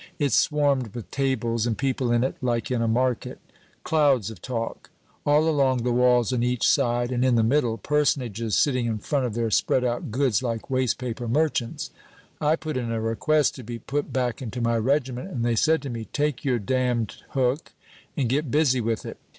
It swarmed with tables, and people in it like in a market. Clouds of talk. All along the walls on each side and in the middle, personages sitting in front of their spread out goods like waste paper merchants. I put in a request to be put back into my regiment, and they said to me, 'Take your damned hook, and get busy with it.'